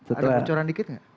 ada pencoran dikit nggak